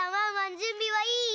じゅんびはいい？